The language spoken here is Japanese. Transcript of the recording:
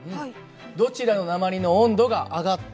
どちらの鉛の温度が上がったと思いますか？